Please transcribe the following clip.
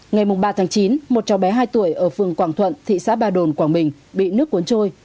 ngày ba tháng chín một cháu bé hai tuổi ở phường quảng thuận thị xã ba đồn quảng bình bị nước cuốn trôi